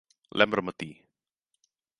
Lémbrame a ti.